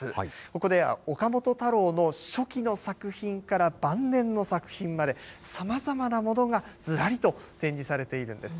ここでは岡本太郎の初期の作品から晩年の作品まで、さまざまなものがずらりと展示されているんです。